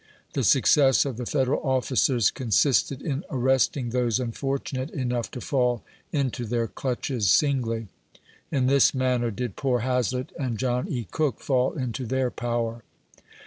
The success of the Federal officers consisted in arresting those unfortunate enough to fall into their clutches singly. In this manner did poor Hazlett and John E. Cook fall into their power.